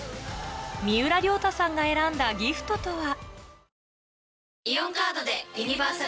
三浦太さんが選んだギフトとは？